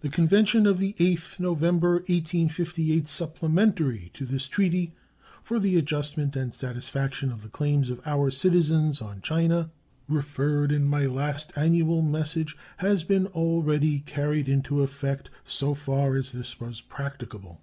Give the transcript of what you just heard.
The convention of the 8th November, 1858, supplementary to this treaty, for the adjustment and satisfaction of the claims of our citizens on China referred to in my last annual message, has been already carried into effect so far as this was practicable.